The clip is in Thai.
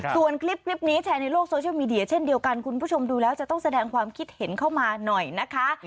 ส่วนคลิปนี้แชร์ในโลกโซเชียลมีเดียเช่นเดียวกันคุณผู้ชมดูแล้วจะต้องแสดงความคิดเห็นเข้ามาหน่อยนะคะ